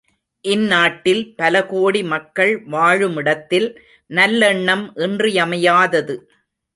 இந்நாட்டில் பலகோடி மக்கள் வாழுமிடத்தில் நல்லெண்ணம் இன்றியமையாதது.